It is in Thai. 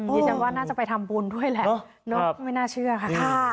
ดิฉันว่าน่าจะไปทำบุญด้วยแหละไม่น่าเชื่อค่ะ